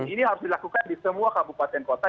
ini harus dilakukan di semua kabupaten kota